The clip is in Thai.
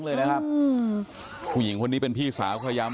เลยนะครับอืมผู้หญิงคนนี้เป็นพี่สาวพยายาม